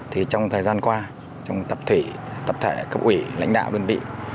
thì trong thời gian qua trong tập thể các ủy lãnh đạo đơn vị